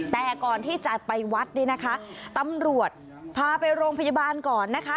แต่ก่อนที่จะไปวัดนี่นะคะตำรวจพาไปโรงพยาบาลก่อนนะคะ